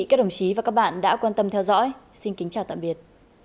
cảm ơn quý vị và các bạn đã quan tâm theo dõi xin kính chào tạm biệt